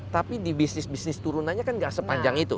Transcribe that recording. tapi di bisnis bisnis turunannya kan nggak sepanjang itu